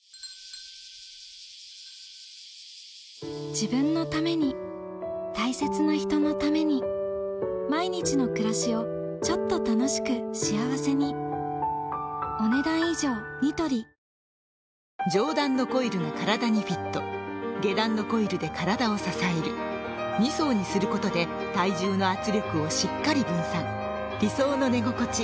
自分のために大切な人のために毎日の暮らしをちょっと楽しく幸せに上段のコイルが体にフィット下段のコイルで体を支える２層にすることで体重の圧力をしっかり分散理想の寝心地「Ｎスリープマットレス」